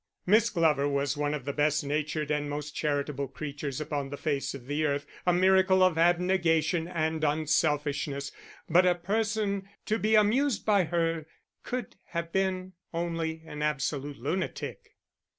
_ Miss Glover was one of the best natured and most charitable creatures upon the face of the earth, a miracle of abnegation and unselfishness; but a person to be amused by her could have been only an absolute lunatic.